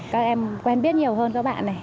các em quen biết nhiều hơn các bạn này